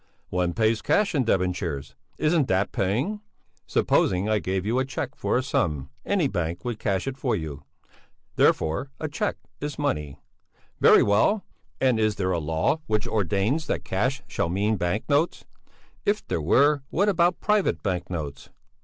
"One pays cash in debentures! Isn't that paying? Supposing I gave you a cheque for a sum, any bank would cash it for you. Therefore, a cheque is money. Very well! And is there a law which ordains that cash shall mean bank notes? If there were, what about private bank notes?"